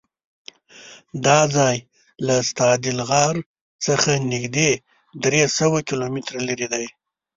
دا ځای له ستادل غار څخه نږدې درېسوه کیلومتره لرې دی.